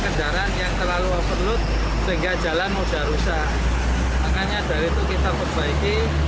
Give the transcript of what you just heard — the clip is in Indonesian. kendaraan yang terlalu overload sehingga jalan mudah rusak makanya dari itu kita perbaiki